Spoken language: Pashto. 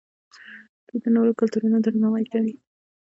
دوی د نورو کلتورونو درناوی کوي.